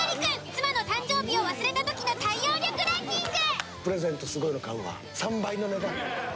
妻の誕生日を忘れた時の対応力ランキング。